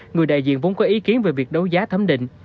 người đại diện vốn có ý kiến về việc đấu giá thấm định